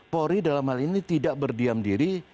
polri dalam hal ini tidak berdiam diri